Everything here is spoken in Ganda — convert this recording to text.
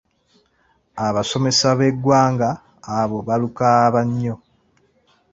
"Abasomesa b'eggwanga, abo baalukaaba nnyo."